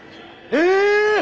え！